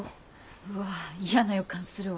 うわ嫌な予感するわ。